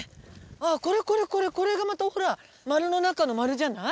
これこれこれこれこれがまたほら丸の中の丸じゃない？